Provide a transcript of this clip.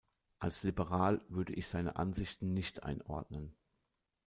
Als liberal würde ich seine Ansichten nicht einordnen.